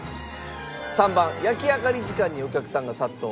３番焼き上がり時間にお客さんが殺到！